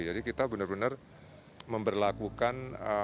jadi kita benar benar memberlakukan